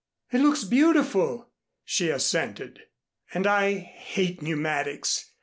"It looks beautiful," she assented, "and I hate pneumatics.